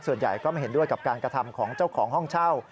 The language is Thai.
ส่วนใหญ่ก็ไม่เห็นด้วยกับการกระทำของเจ้าของห้องเช่า